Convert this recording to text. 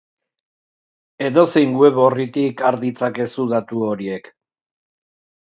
Edozein web orritik har ditzakezu datu horiek.